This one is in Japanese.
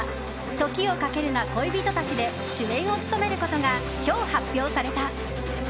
「時をかけるな、恋人たち」で主演を務めることが今日、発表された。